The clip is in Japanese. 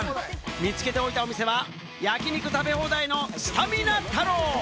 見つけておいたお店は焼き肉食べ放題の、すたみな太郎。